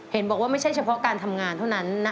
เห็นบอกว่าไม่ใช่เฉพาะการทำงานเท่านั้น